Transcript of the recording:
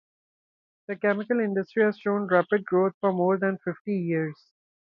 The chemical industry has shown rapid growth for more than fifty years.